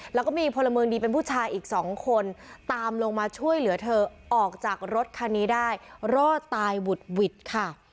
แล้วก็มีพลเมืองดีเป็นผู้ชายอีกสองคนตามลงมาช่วยเหลือเธอออกจากรถคันนี้ได้รอดตายหวุดหวิดค่ะ